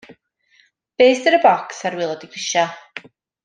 Be' sy' yn y bocs ar waelod y grisia'?